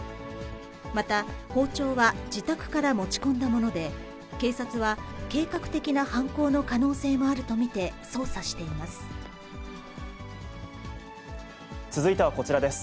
また、包丁は自宅から持ち込んだもので、警察は、計画的な犯行の可能性もあると見て捜査しています。